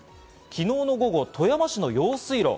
昨日の午後、富山市の用水路。